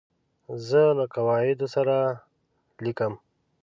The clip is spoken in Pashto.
زه له قواعدو سره لیکم.